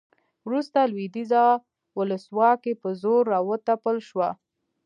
وروسته لویدیځه ولسواکي په زور راوتپل شوه